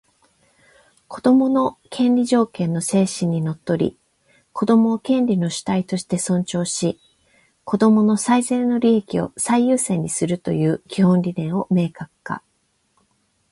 「子どもの権利条約」の精神にのっとり、子供を権利の主体として尊重し、子供の最善の利益を最優先にするという基本理念を明確化